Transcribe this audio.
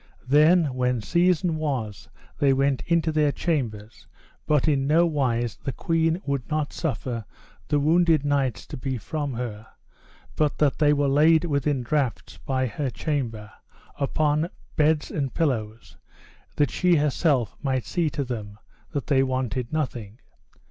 Then when season was, they went unto their chambers, but in no wise the queen would not suffer the wounded knights to be from her, but that they were laid within draughts by her chamber, upon beds and pillows, that she herself might see to them, that they wanted nothing.